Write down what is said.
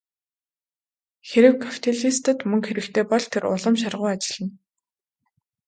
Хэрэв капиталистад мөнгө хэрэгтэй болбол тэр улам шаргуу ажиллана.